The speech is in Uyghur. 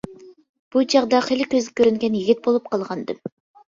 بۇ چاغدا خېلى كۆزگە كۆرۈنگەن يىگىت بولۇپ قالغانىدىم.